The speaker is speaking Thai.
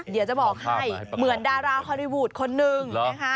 เดี๋ยวจะบอกให้เหมือนดาราฮอลลี่วูดคนนึงนะคะ